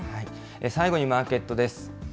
最後にマーケットです。